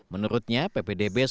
menurutnya ppdb selamatkan